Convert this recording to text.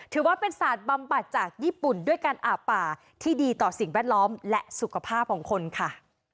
ถือว่าเป็นศาสตร์บำบัดจากญี่ปุ่นด้วยการอาบป่าที่ดีต่อสิ่งแวดล้อมและสุขภาพของคนค่ะ